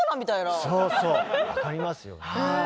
分かりますよね。